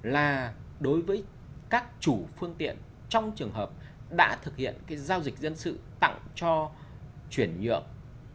là đối với các chủ phương tiện trong trường hợp đã thực hiện cái giao dịch dân sự tặng cho chuyển nhượng